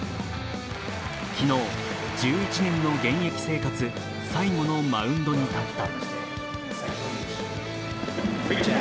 昨日、１１年の現役生活最後のマウンドに立った。